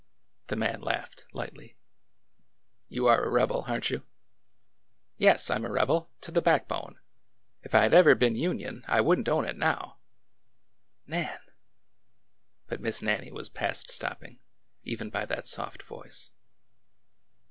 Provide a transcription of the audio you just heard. The man laughed lightly. You are a rebel, are n't you ?" '^YeSj I 'm a rebel— to the backbone! If I had ever been Union, I would n't own it now 1 " Nan! But Miss Nannie was past stopping, even by that soft voice.